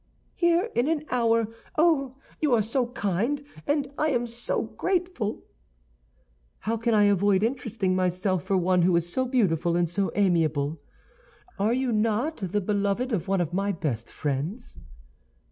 "Here, in an hour. Oh, you are so kind, and I am so grateful!" "How can I avoid interesting myself for one who is so beautiful and so amiable? Are you not the beloved of one of my best friends?"